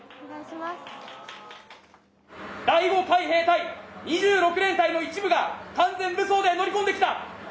第５海兵隊２６連隊の一部が完全武装で乗り込んできた！